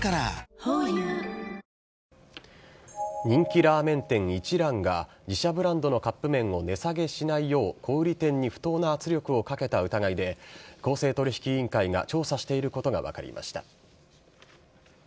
人気ラーメン店一蘭が、自社ブランドのカップ麺を値下げしないよう、小売り店に不当な圧力をかけた疑いで公正取引委員会が調査していることが分かりました。